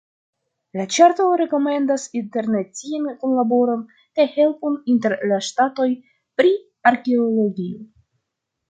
La ĉarto rekomendas internacian kunlaboron kaj helpon inter la ŝtatoj pri arkeologio.